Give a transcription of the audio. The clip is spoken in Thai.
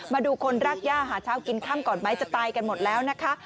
มาดูคนรากย่าหาเช้ากินค่ำก่อนไหมจะตายกันหมดแล้วนะคะ